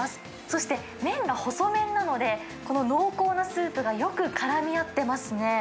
そして、麺が細麺なので、この濃厚なスープがよくからみ合ってますね。